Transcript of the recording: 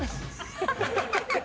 ハハハハ！